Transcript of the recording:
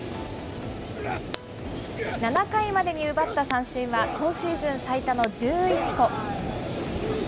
７回までに奪った三振は今シーズン最多の１１個。